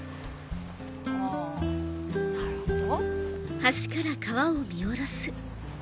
あなるほど。